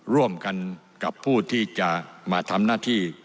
ร่วมกันกับผู้ที่จะมาทำหน้าที่